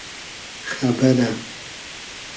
خئبئرۂ